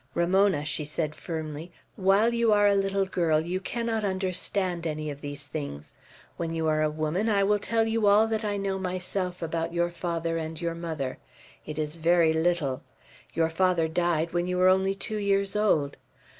"Ramona," she said firmly, "while you are a little girl, you cannot understand any of these things. When you are a woman, I will tell you all that I know myself about your father and your mother. It is very little. Your father died when you were only two years old.